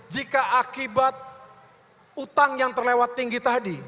jika akibat utang yang terlewat tinggi tadi